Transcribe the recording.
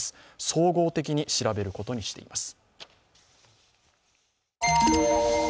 総合的に調べることにしています。